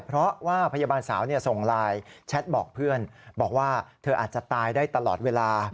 เพราะว่าพยาบาลสาวส่งไลน์แชทบอกเพื่อนบอกว่าเธออาจจะตายได้ตลอดเวลา